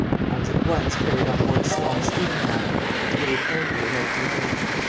I was at once carried on board a small steam yacht, which weighed anchor without delay.